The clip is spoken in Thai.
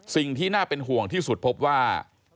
สิ่งที่น่าเป็นห่วงที่สุดพบว่า